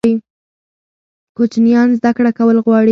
کوچنیان زده کړه کول غواړي.